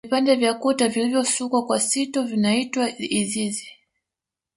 Vipande vya kuta vilivyosukwa kwa sito vinaitwa izizi